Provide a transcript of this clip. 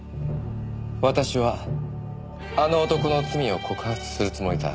「私はあの男の罪を告発するつもりだ」